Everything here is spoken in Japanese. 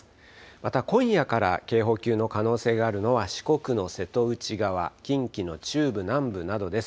また今夜から警報級の可能性があるのは、四国の瀬戸内側、近畿の中部、南部などです。